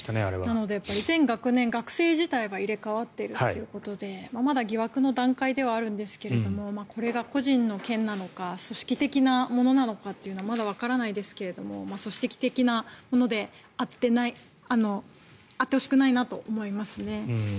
なので以前いる学生自体は入れ替わっているということでまだ疑惑の段階ではあるんですがこれが個人の件なのか組織的なものなのかというのはまだわかりませんが組織的なものであってほしくないなと思いますね。